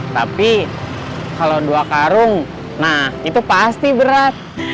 tapi kalau dua karung nah itu pasti berat